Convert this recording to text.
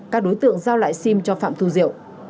các đối tượng giao lại sim cho phạm thu diệu